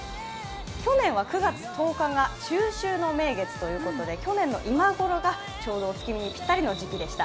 去年は９月１０日が中秋の名月ということで、去年の今頃がちょうど、お月見にピッタリの時期でした。